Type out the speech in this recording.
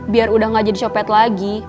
biar udah nggak jadi copet lagi